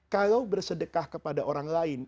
kalau bersedekah kepada orang lain